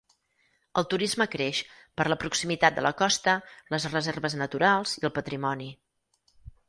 El turisme creix, per la proximitat de la costa, les reserves naturals i el patrimoni.